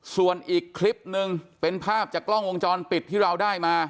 ส่วนอีกคลิปนึงเป็นภาพจากกล้องวงจรปิดที่เราได้มา